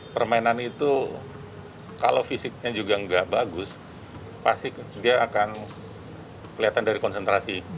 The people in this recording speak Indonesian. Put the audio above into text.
permainan itu kalau fisiknya juga nggak bagus pasti dia akan kelihatan dari konsentrasi